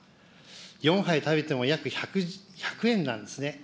４杯食べても約１００円なんですね。